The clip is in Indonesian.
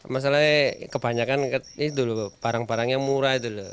masalahnya kebanyakan itu loh barang barang yang murah itu